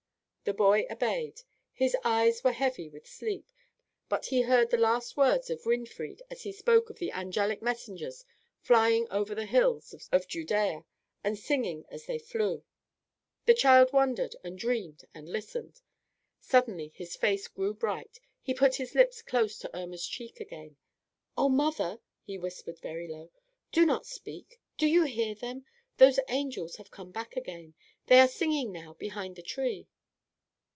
The boy obeyed. His eyes were heavy with sleep. But he heard the last words of Winfried as he spoke of the angelic messengers, flying over the hills of Judea and singing as they flew. The child wondered and dreamed and listened. Suddenly his face grew bright. He put his lips close to Irma's cheek again. "Oh, mother!" he whispered very low, "do not speak. Do you hear them? Those angels have come back again. They are singing now behind the tree."